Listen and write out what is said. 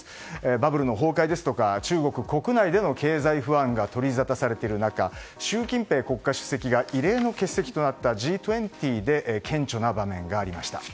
バブルの崩壊ですとか中国国内での経済不安が取りざたされている中習近平国家主席が異例の欠席となったＧ２０で顕著な場面がありました。